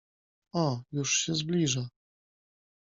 O, już się zbliża!